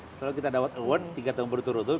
selalu kita dapat award tiga tahun berturut turut